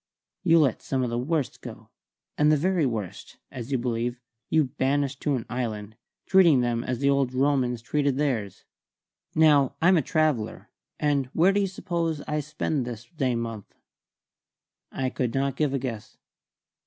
"You let some of the worst go, and the very worst (as you believe) you banish to an island, treating them as the old Romans treated theirs. Now, I'm a traveller; and where do you suppose I spent this day month?" I could not give a guess.